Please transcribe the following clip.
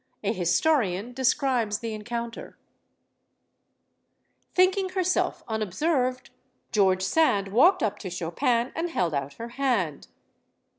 A historian describes the encounter: Thinking herself unobserved, George Sand walked up to Chopin and held out her hand.